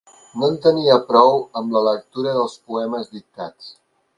No en tenia prou amb la lectura dels poemes dictats